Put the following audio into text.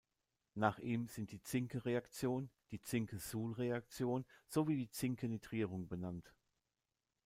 Nach ihm sind die Zincke-Reaktion, die Zincke-Suhl-Reaktion sowie die Zincke-Nitrierung benannt.